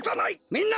みんな！